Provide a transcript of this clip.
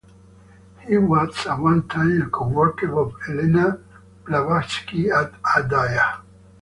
He was at one time a co-worker of Helena Blavatsky at Adyar.